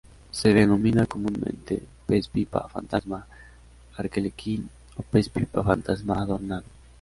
Se denomina comúnmente pez pipa fantasma arlequín o pez pipa fantasma adornado.